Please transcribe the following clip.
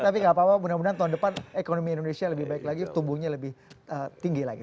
tapi gak apa apa mudah mudahan tahun depan ekonomi indonesia lebih baik lagi tumbuhnya lebih tinggi lagi